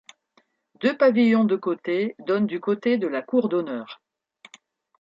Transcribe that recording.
Deux pavillons de côté donnent du côté de la cour d'honneur.